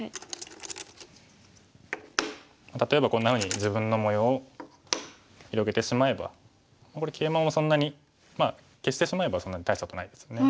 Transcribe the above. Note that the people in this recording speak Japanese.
例えばこんなふうに自分の模様を広げてしまえばこれケイマもそんなにまあ消してしまえばそんなに大したことないですよね。